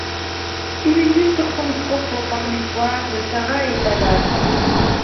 Il illustre son propos par l'histoire de Sarah et d'Agar.